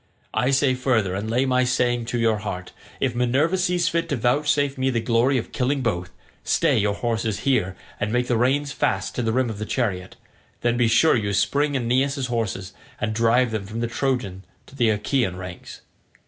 I say further, and lay my saying to your heart—if Minerva sees fit to vouchsafe me the glory of killing both, stay your horses here and make the reins fast to the rim of the chariot; then be sure you spring Aeneas' horses and drive them from the Trojan to the Achaean ranks.